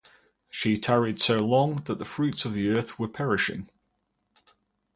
She tarried so long that the fruits of the earth were perishing.